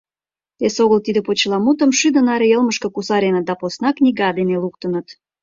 Эсогыл тиде почеламутым шӱдӧ наре йылмышке кусареныт да посна книга дене луктыныт.